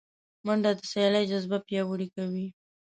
منډه د سیالۍ جذبه پیاوړې کوي